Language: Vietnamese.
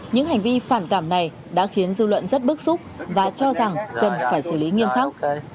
những hành vi phản cảm này đã khiến dư luận rất bức xúc và cho rằng cần phải xử lý nghiêm khắc